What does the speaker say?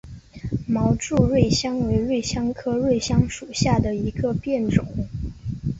毛柱瑞香为瑞香科瑞香属下的一个变种。